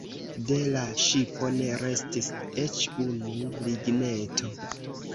De la ŝipo ne restis eĉ unu ligneto.